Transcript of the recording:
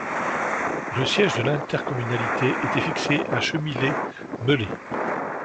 Le siège de l'intercommunalité était fixé à Chemillé-Melay.